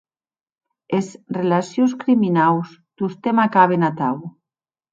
Es relacions criminaus tostemp acaben atau.